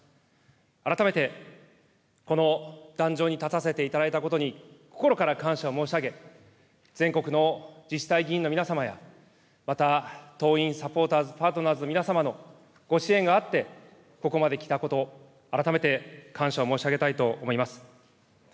改めて、この壇上に立たせていただいたことに、心から感謝を申し上げ、全国の自治体議員の皆様やまた党員・サポーターズ・パートパーズの皆様のご支援があって、ここまできたこと、改めて感謝を申し上げたいと思います。